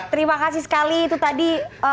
terima kasih sekali itu tadi